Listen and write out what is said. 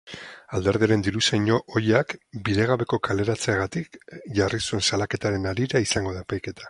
Alderdiaren diruzain ohiak bidegabeko kaleratzeagatik jarri zuen salaketaren harira izango da epaiketa.